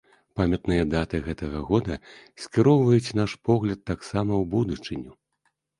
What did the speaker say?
Памятныя даты гэтага года скіроўваюць наш погляд таксама ў будучыню.